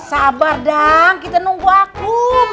sabar dalam kita nunggu akun